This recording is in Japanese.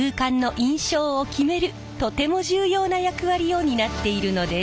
とても重要な役割を担っているのです。